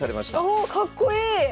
おおかっこいい！